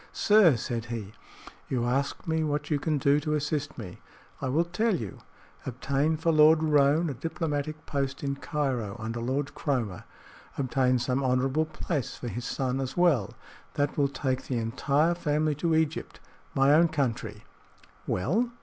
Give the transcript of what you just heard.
"Sir," said he, "you ask me what you can do to assist me. I will tell you. Obtain for Lord Roane a diplomatic post in Cairo, under Lord Cromer. Obtain some honorable place for his son as well. That will take the entire family to Egypt my own country." "Well?"